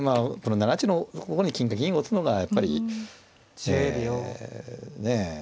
７八のここに金か銀を打つのがやっぱりええねえ